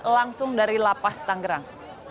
langsung dari lapas tanggerang